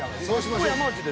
そうしましょう。